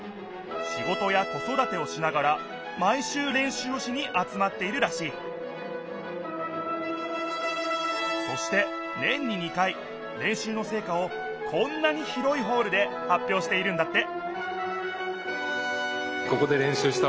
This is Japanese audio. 仕事や子そだてをしながら毎週練習をしに集まっているらしいそして年に２回練習のせいかをこんなに広いホールではっぴょうしているんだって